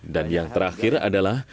dan yang terakhir adalah